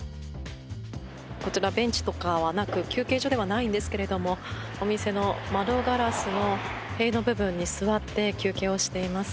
こちら、ベンチとかはなく休憩所ではないんですけれどもお店の窓ガラスの塀の部分に座って、休憩をしています。